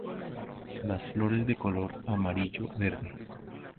Las flores de color amarillo-verde.